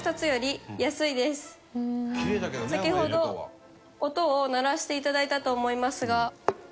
先ほど音を鳴らしていただいたと思いますが。